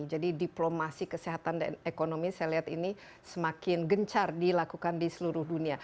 jadi diplomasi kesehatan dan ekonomi saya lihat ini semakin gencar dilakukan di seluruh dunia